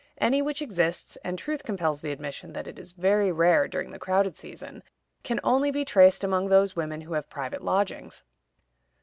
Any which exists (and truth compels the admission that it is very rare during the crowded season) can only be traced among those women who have private lodgings.